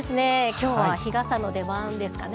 きょうは日傘の出番ですかね。